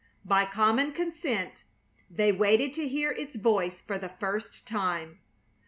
By common consent they waited to hear its voice for the first time.